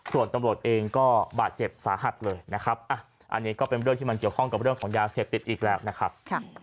ส่วนตำรวจเองก็บาดเจ็บสาหัสเลยนะครับอันนี้ก็เป็นเรื่องที่มันเกี่ยวข้องกับเรื่องของยาเสพติดอีกแล้วนะครับ